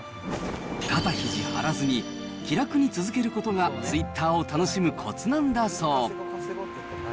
肩ひじ張らずに、気楽に続けることが、ツイッターを楽しむこつなんだそう。